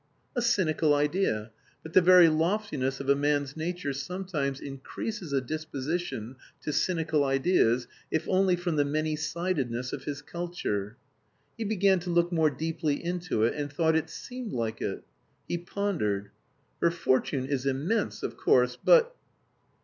A cynical idea, but the very loftiness of a man's nature sometimes increases a disposition to cynical ideas if only from the many sidedness of his culture. He began to look more deeply into it, and thought it seemed like it. He pondered: "Her fortune is immense, of course, but..."